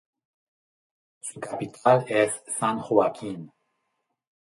Su capital es San Joaquín.